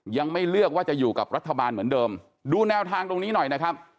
ยังไม่เลือกว่าจะอยู่กับรัฐบาลเหมือนเดิมดูแนวทางตรงนี้หน่อยนะครับ